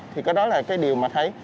thì cái đó là cái điều mà thấy